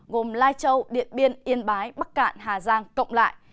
gồm lai châu điện biên yên bái bắc cạn hà giang cộng lại